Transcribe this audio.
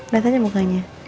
lihat aja mukanya